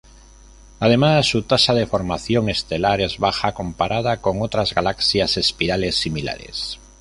Además, su tasa de formación estelar es baja comparada con otras galaxias espirales similares.